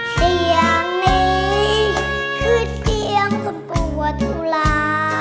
เสียงนี้คือเพียงคนปวดทุลา